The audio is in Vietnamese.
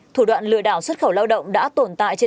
thủ đoạn lừa đảo xuất khẩu lao động đã tồn tại